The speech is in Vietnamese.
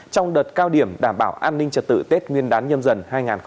trong đợt cao điểm đảm bảo an ninh trật tự tết nguyên đán nhâm dần hai nghìn hai mươi bốn